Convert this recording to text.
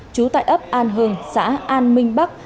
chú tại ấp an hương xã an minh bắc